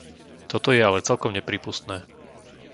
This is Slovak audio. Toto je ale celkom neprípustné.